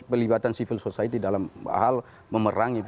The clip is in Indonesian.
pelibatan civil society dalam hal memerangi